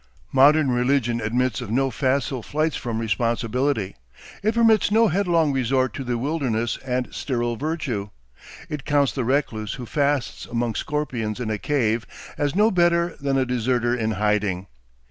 Modern religion admits of no facile flights from responsibility. It permits no headlong resort to the wilderness and sterile virtue. It counts the recluse who fasts among scorpions in a cave as no better than a deserter in hiding.